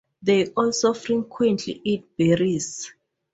They also frequently eat berries.